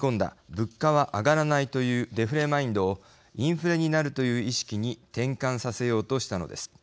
物価は上がらないというデフレマインドをインフレになるという意識に転換させようとしたのです。